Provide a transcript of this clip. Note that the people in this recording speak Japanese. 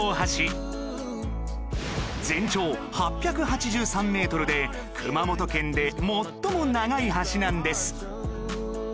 全長８８３メートルで熊本県で最も長い橋なんです